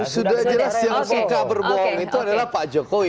sudah jelas yang suka berbohong itu adalah pak jokowi